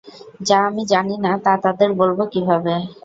যা আমি জানি না, তা তাদের বলব কীভাবে!